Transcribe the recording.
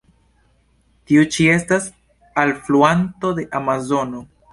Tiu ĉi estas alfluanto de Amazono.